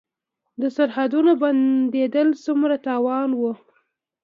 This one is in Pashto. د سرحدونو بندیدل څومره تاوان و؟